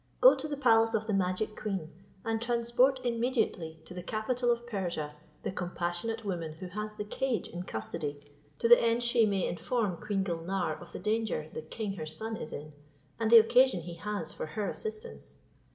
Go to the palace of the magic queen, and transport immediately to the capital of Persia the compassionate woman who has the cage in custody, to the end she may inform Queen Gulnare of the danger the king her son is in, and the occasion he has for her assistance.